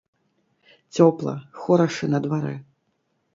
Цёпла, хораша на дварэ.